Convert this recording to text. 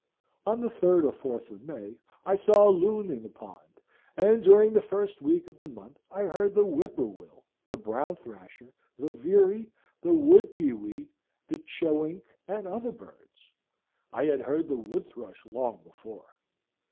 On the third or fourth of May I saw a loon in the pond, and during the first week of the month I heard the whippoorwill, the brown thrasher, the veery, the wood pewee, the chewink, and other birds. I had heard the wood thrush long before.